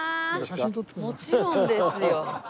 もちろんですよ。